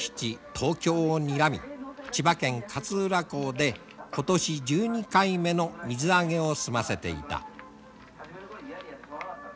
東京をにらみ千葉県勝浦港で今年１２回目の水揚げを済ませていた。